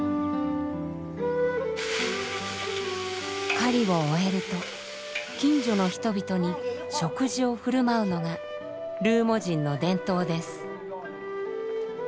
狩りを終えると近所の人々に食事を振る舞うのがルーモ人の伝統です。